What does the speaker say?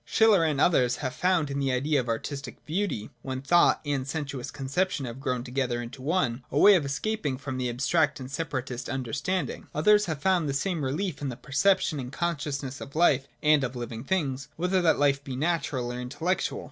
Schiller, and others, have found in the idea of artistic beauty, where thought and sensuous conception have grown together into one, a way of escape from the abstract and separatist under standing. Others have found the same relief in the perception and consciousness of life and of living things, whether that life be natural or intellectual.